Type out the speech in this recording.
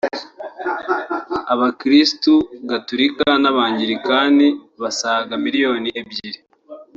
Abakristu Gatolika n’Abangilikani basaga miliyoni ebyiri